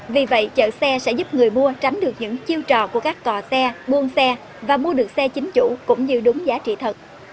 vì vậy chợ xe sẽ giúp người mua tránh được những chiêu trò của các cò xe buôn xe và mua được xe chính chủ cũng như đúng giá trị thật